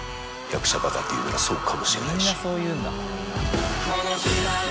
っていうならそうかもしれないし。